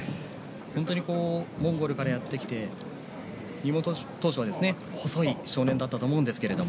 モンゴルからやってきて当初は細い少年だったと思うんですけれど。